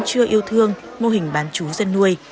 các em chưa yêu thương mô hình bán chú dân nuôi